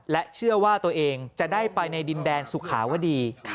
เชื่อว่าตัวเองจะได้ไปในดินแดนสุขาวดี